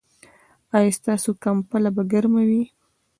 ایا ستاسو کمپله به ګرمه وي؟